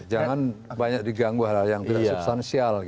jangan banyak diganggu hal hal yang tidak substansial